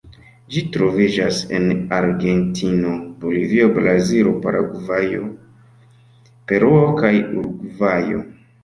Ĝi troviĝas en Argentino, Bolivio, Brazilo, Paragvajo, Peruo kaj Urugvajo.